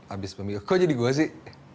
abis pemilu kok jadi gue sih